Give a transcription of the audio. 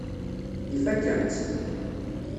Ifakk-am-tt.